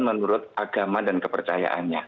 menurut agama dan kepercayaannya